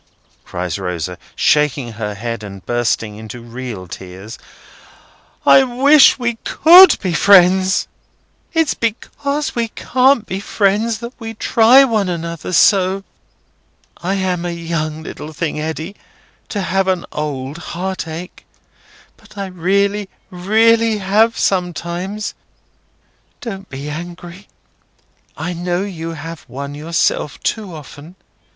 cries Rosa, shaking her head and bursting into real tears, "I wish we could be friends! It's because we can't be friends, that we try one another so. I am a young little thing, Eddy, to have an old heartache; but I really, really have, sometimes. Don't be angry. I know you have one yourself too often.